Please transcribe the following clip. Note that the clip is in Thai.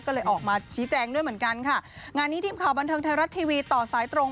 ก็เลยออกมาชี้แจงด้วยเหมือนกันค่ะงานนี้ทีมข่าวบันเทิงไทยรัฐทีวีต่อสายตรง